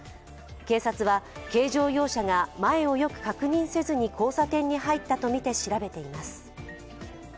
警察は軽乗用車が前をよく確認せずに交差点に入ったとみて調べています。